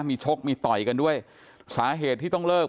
มีชกมีต่อยกันด้วยสาเหตุที่ต้องเลิก